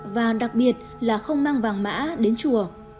và đặc biệt là không mang vàng mã đến chùa